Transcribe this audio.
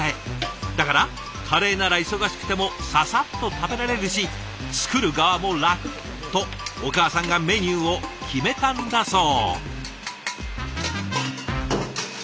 だからカレーなら忙しくてもササッと食べられるし作る側も楽とお母さんがメニューを決めたんだそう。